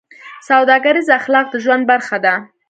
سوداګریز اخلاق د ژوند برخه ده.